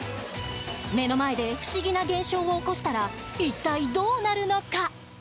目の前で不思議な現象を起こしたら一体どうなるのか。